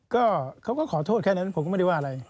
ก็เขาก็ขอโทษแค่นั้นผมก็ไม่ได้ว่าอะไร